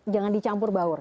jangan dicampur baur